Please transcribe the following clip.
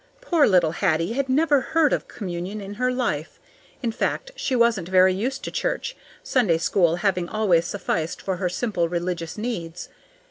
Poor little Hattie had never heard of communion in her life. In fact, she wasn't very used to church, Sunday school having always sufficed for her simple religious needs.